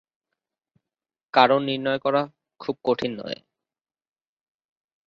কারণ নির্ণয় করা খুব কঠিন নয়।